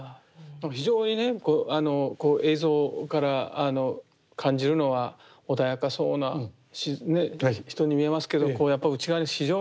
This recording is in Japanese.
非常にね映像から感じるのは穏やかそうな人に見えますけどこうやっぱ内側に非常にたぎるような。